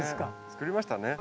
作りましたね。